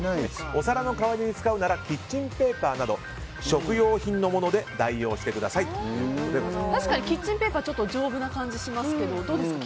お皿の代わりに使うならキッチンペーパーなど食用品のもので確かにキッチンペーパーは丈夫な感じがしますけどどうですか？